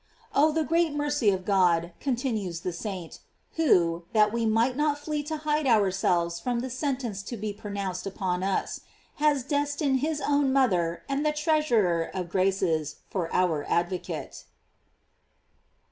* Oh, the great mercy of God, continues the saint, who, that we might not flee to hide ourselves from the sentence to be pronounced upon us, has destined his own mother and the treasurer of graces for our ad vocate.